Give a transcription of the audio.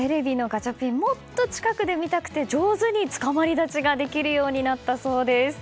ガチャピンもっと近くで見たくて上手につかまり立ちができるようになったそうです。